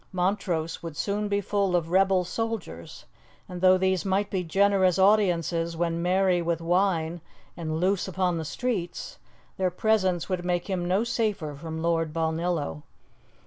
Montrose would soon be full of rebel soldiers, and though these might be generous audiences when merry with wine and loose upon the streets, their presence would make him no safer from Lord Balnillo.